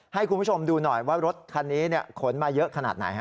ให้คุณผู้ชมดูหน่อยว่ารถคันนี้ขนมาเยอะขนาดไหน